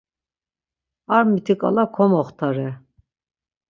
Ar mitiǩala komoxtare.